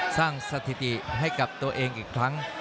สถิติให้กับตัวเองอีกครั้ง